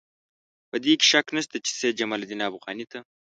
په دې کې شک نشته چې سید جمال الدین افغاني ته.